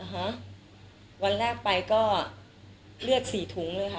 ฮะวันแรกไปก็เลือดสี่ถุงเลยค่ะ